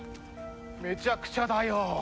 めちゃくちゃだよ。